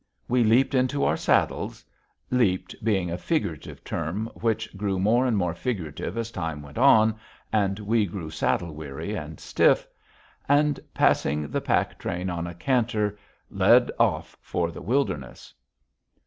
We leaped into our saddles "leaped" being a figurative term which grew more and more figurative as time went on and we grew saddle weary and stiff and, passing the pack train on a canter, led off for the wilderness.